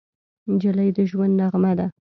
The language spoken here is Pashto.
نجلۍ د ژوند نغمه ده.